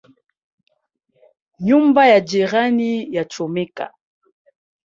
Nyumba ya jirani yachomeka